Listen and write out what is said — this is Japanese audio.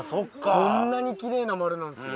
こんなにきれいな丸なんですよ